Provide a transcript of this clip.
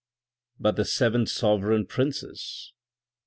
" But the seven sovereign princes